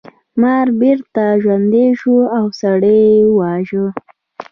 مار بیرته ژوندی شو او سړی یې وواژه.